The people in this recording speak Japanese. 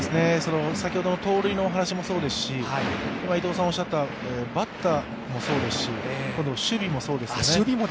先ほどの盗塁のお話もそうですし、今、伊藤さんがおっしゃったバッターもそうですし、守備もそうですよね。